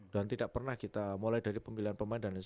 dan tidak pernah kita mulai dari pemilihan pemain